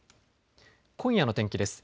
今夜の天気です。